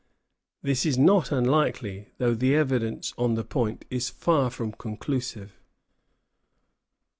This is not unlikely, though the evidence on the point is far from conclusive.